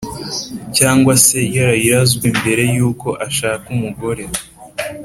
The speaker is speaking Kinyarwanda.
cyangwa se yarayirazwe mbere y’uko ashaka umugore